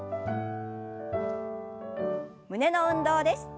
胸の運動です。